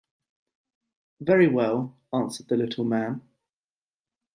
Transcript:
"Very well," answered the little man.